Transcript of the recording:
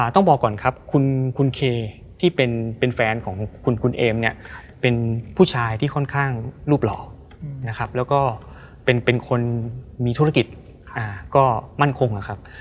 ต้องบอกก่อนครับคุณเคที่เป็นแฟนของคุณเอมเนี่ยเป็นผู้ชายที่ค่อนข้างรูปหล่อนะครับแล้วก็เป็นคนมีธุรกิจก็มั่นคงนะครับ